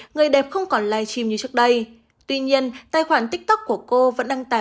người đẹp không còn live stream như trước đây tuy nhiên tài khoản tiktok của cô vẫn đăng tải